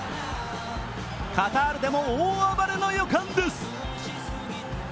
カタールでも大暴れの予感です。